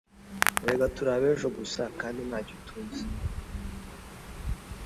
erega turi ab’ejo gusa kandi nta cyo tuzi,